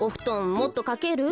もっとかける？